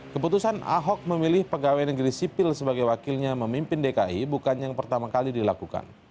keputusan ahok memilih pegawai negeri sipil sebagai wakilnya memimpin dki bukan yang pertama kali dilakukan